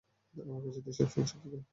আমার কাছে তুই সবসময়ই ছোট রে!